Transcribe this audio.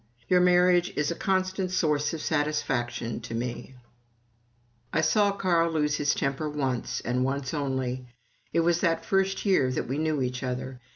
Your marriage is a constant source of satisfaction to me." I saw Carl Parker lose his temper once, and once only. It was that first year that we knew each other.